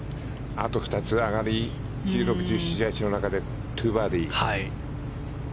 あと２つ上がり１６、１７、１８の中で２バーディー。